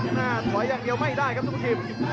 หน้าถอยอย่างเดียวไม่ได้ครับลูกทีม